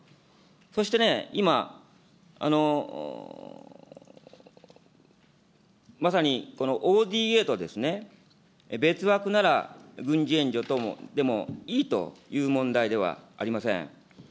そしてね、今、まさにＯＤＡと別枠なら、軍事援助等でもいいという問題ではありません。